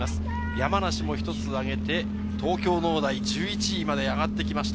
山梨も１つあげて、東京農大１１位まで上がってきました。